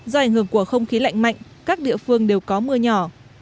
do ảnh hưởng của không khí lạnh mạnh các địa phương đều có mưa nhỏ